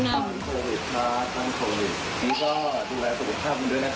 นี่ก็ดูแลสมดุลค่ะคุณด้วยนะครับ